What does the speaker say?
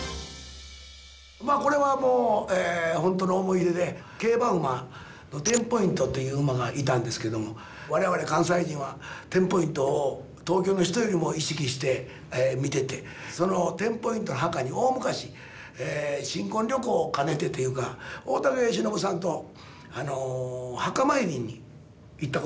まあこれはもう本当の思い出で競馬馬のテンポイントっていう馬がいたんですけども我々関西人はテンポイントを東京の人よりも意識して見ててそのテンポイントの墓に大昔新婚旅行を兼ねてというか大竹しのぶさんと墓参りに行ったことがあるんですよ。